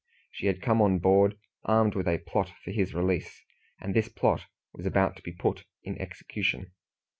She had come on board armed with a plot for his release, and this plot was about to be put in execution.